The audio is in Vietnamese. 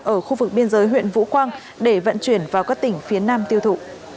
ở khu vực biên giới huyện vũ quang để vận chuyển vào các tỉnh phía nam tiêu thụ